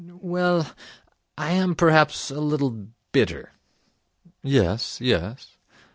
Well, I am perhaps a little bitter ' 'Yes, yes.'